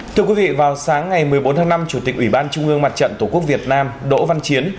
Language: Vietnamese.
thưa quý vị vào sáng ngày một mươi bốn tháng năm chủ tịch ủy ban trung ương mặt trận tổ quốc việt nam đỗ văn chiến